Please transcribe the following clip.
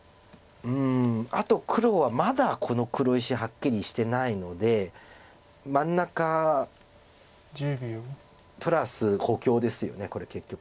うんあと黒はまだこの黒石はっきりしてないので真ん中プラス補強ですよねこれ結局。